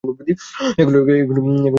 এগুলো সব কল্পিত, আম্মু।